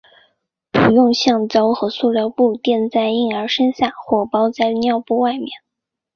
不用橡胶和塑料布垫在婴儿身下或包在尿布外面。